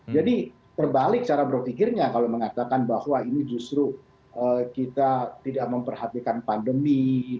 jadi terbalik cara berpikirnya kalau mengatakan bahwa ini justru kita tidak memperhatikan pandemi